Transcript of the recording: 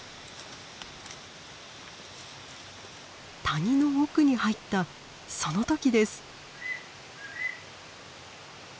谷の奥に入ったその時です。